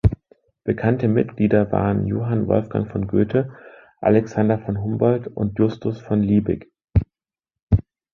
Bekannte Mitglieder waren Johann Wolfgang von Goethe, Alexander von Humboldt und Justus von Liebig.